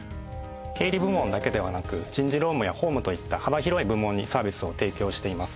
経理部門だけではなく人事労務や法務といった幅広い部門にサービスを提供しています。